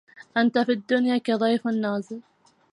أنت في الدنيا كضيف نازل